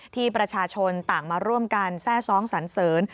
ที่ประชาชนต่างมาร่วมกันแทร่ซ้องสันเสริญ